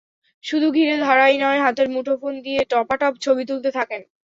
শুধু ঘিরে ধরাই নয়, হাতের মুঠোফোন দিয়ে টপাটপ ছবি তুলতে থাকেন।